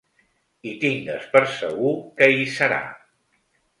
I tingues per segur que hi serà!